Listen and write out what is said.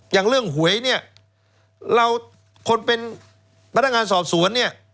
อย่างเรื่องหวยเราคนเป็นพนักงานสอบสวน